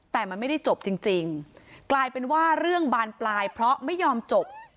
แต่มันไม่ได้จบจริงกลายเป็นว่าเรื่องบานปลายเพราะไม่ยอมจบ